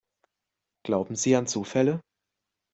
Glauben Sie an Zufälle?